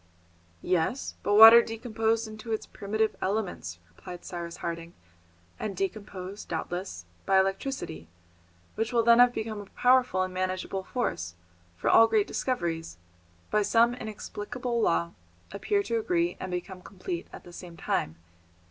"Yes, but water decomposed into its primitive elements," replied Cyrus Harding, "and decomposed, doubtless; by electricity, which will then have become a powerful and manageable force, for all great discoveries, by some inexplicable law, appear to agree and become complete at the same time.